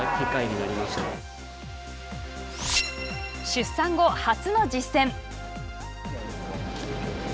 出産後、初の実戦。